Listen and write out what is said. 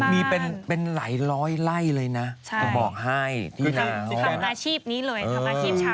มีเป็นหลายร้อยไล่เลยนะจะบอกให้ที่ทำอาชีพนี้เลยทำอาชีพชาว